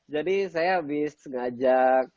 jadi saya habis ngajak